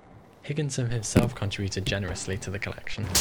Higginson himself contributed generously to the collection.